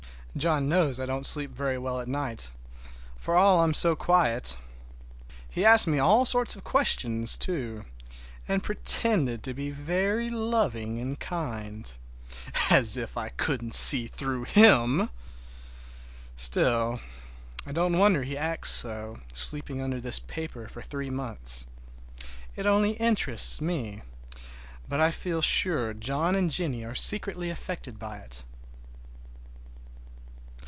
John knows I don't sleep very well at night, for all I'm so quiet! He asked me all sorts of questions, too, and pretended to be very loving and kind. As if I couldn't see through him! Still, I don't wonder he acts so, sleeping under this paper for three months. It only interests me, but I feel sure John and Jennie are secretly affected by it.